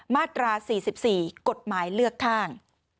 มาตรา๔๔กฎหมายเลือกข้าง